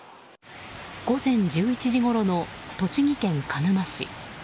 午前１１時ごろの栃木県鹿沼市。